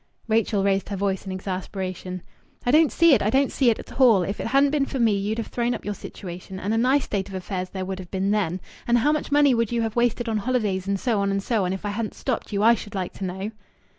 Rachel raised her voice in exasperation "I don't see it, I don't see it at all. If it hadn't been for me you'd have thrown up your situation and a nice state of affairs there would have been then! And how much money would you have wasted on holidays and so on and so on if I hadn't stopped you, I should like to know!"